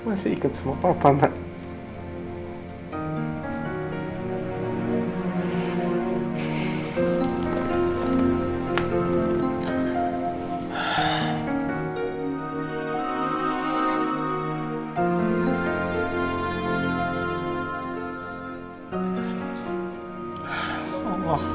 masih inget semua apa apa